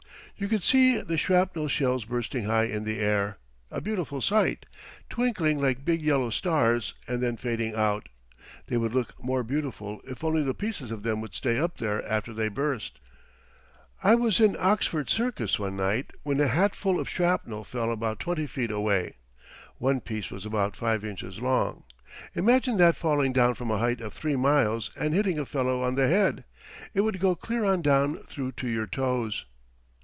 You could see the shrapnel shells bursting high in the air a beautiful sight twinkling like big yellow stars, and then fading out. They would look more beautiful if only the pieces of them would stay up there after they burst. I was in Oxford Circus one night when a hatful of shrapnel fell about 20 feet away. One piece was about 5 inches long. Imagine that falling down from a height of 3 miles and hitting a fellow on the head. It would go clear on down through to your toes.